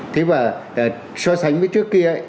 thế mà so sánh với trước kia ấy